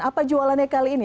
apa jualannya kali ini